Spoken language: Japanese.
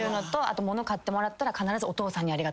物買ってもらったら必ず。